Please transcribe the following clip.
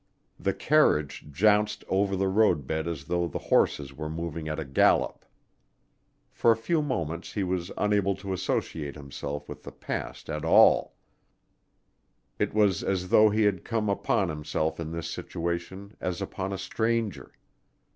The carriage jounced over the roadbed as though the horses were moving at a gallop. For a few moments he was unable to associate himself with the past at all; it was as though he had come upon himself in this situation as upon a stranger.